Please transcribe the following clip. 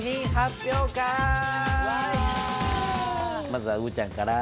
まずはうぶちゃんから。